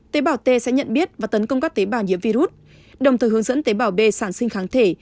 tế bảo t sẽ nhận biết và tấn công các tế bảo nhiễm virus đồng thời hướng dẫn tế bảo b sản sinh kháng thể